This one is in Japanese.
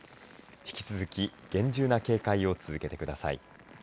引き続き厳重な警戒を続けてください。